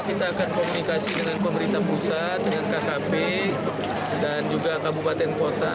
kita akan komunikasi dengan pemerintah pusat dengan kkp dan juga kabupaten kota